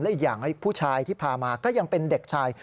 อีกอย่างผู้ชายที่พามาก็ยังเป็นเด็กชาย